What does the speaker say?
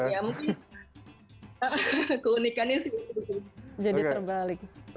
ya mungkin keunikannya sih